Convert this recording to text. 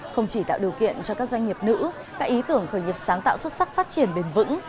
không chỉ tạo điều kiện cho các doanh nghiệp nữ các ý tưởng khởi nghiệp sáng tạo xuất sắc phát triển bền vững